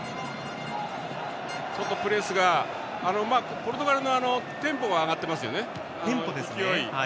ちょっとプレスがポルトガルがテンポは上がってますよね。